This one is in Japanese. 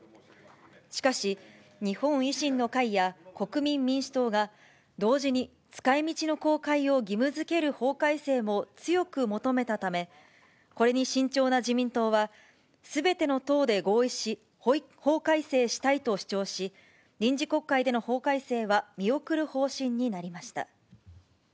しかし、日本維新の会や国民民主党が、同時に使いみちの公開を義務づける法改正も強く求めたため、これに慎重な自民党は、すべての党で合意し、法改正したいと主張し、臨時国会での法改正は見送る方針になりました。